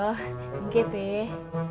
oh enggak peh